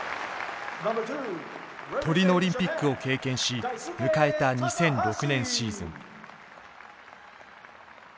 トリノオリンピックを経験し迎えた２００６年シーズン。